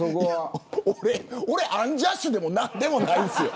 俺、アンジャッシュでも何でもないし。